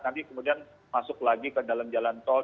nanti kemudian masuk lagi ke dalam jalan tol